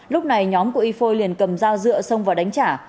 lúc này nhóm của y foy liền cầm dao rượu xong và đánh trả